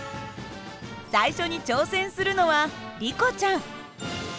最初に挑戦するのはリコちゃん。